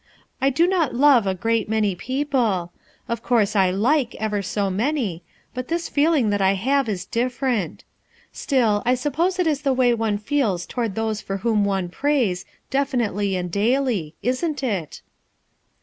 I do not love a great many people; of course I like ever so many, but this feeling that I have is different. StiU, I suppose it is the way one feels toward those for whom one prays, definitely and daily. Isn't it?"